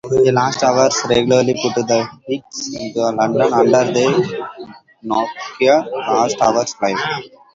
"Last Hours" regularly put on gigs in London under the nomicker "Last Hours live".